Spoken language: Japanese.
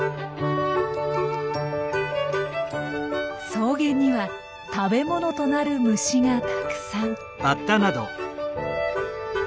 草原には食べ物となる虫がたくさん。